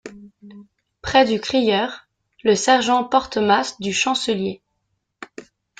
Près du crieur, le sergent porte-masse du chancelier.